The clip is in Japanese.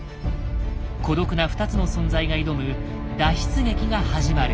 孤独な２つの存在が挑む脱出劇が始まる。